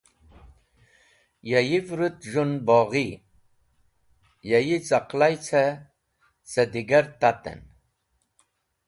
Ya yi vũrũt z̃hũn boghi, ya z̃ẽqlay ce, cẽ digar tat en.